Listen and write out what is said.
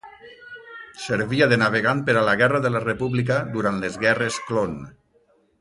Servia de navegant per a la guerra de la República durant les Guerres Clon.